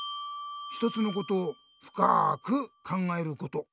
一つのことをふかく考えること。